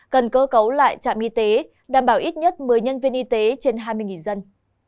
cần cơ cấu lại trạm y tế đảm bảo ít nhất một mươi nhân viên y tế trên hai mươi dân